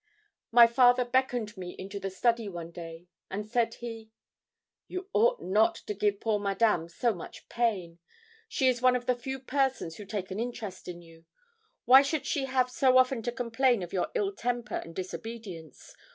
My father beckoned me into the study one day, and said he 'You ought not to give poor Madame so much pain. She is one of the few persons who take an interest in you; why should she have so often to complain of your ill temper and disobedience?